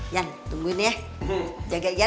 yan tungguin ya jaga yan ya